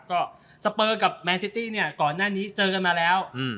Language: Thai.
ก็สเปอร์กับแมนซิตี้เนี่ยก่อนหน้านี้เจอกันมาแล้ว